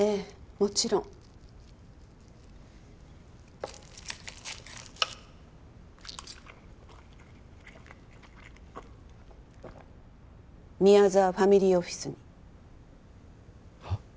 もちろん宮沢ファミリーオフィスにはっ？